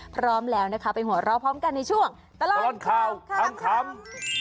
พร้อมแล้วนะคะไปหัวเราะพร้อมกันในช่วงตลอดข่าวขำ